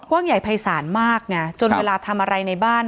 ว่างใหญ่ภัยศาลมากไงจนเวลาทำอะไรในบ้าน